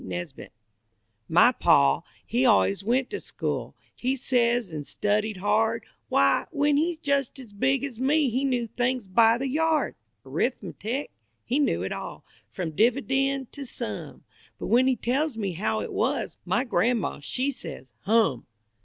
NESBIT My pa he always went to school, He says, an' studied hard. W'y, when he's just as big as me He knew things by the yard! Arithmetic? He knew it all From dividend to sum; But when he tells me how it was, My grandma, she says "Hum!"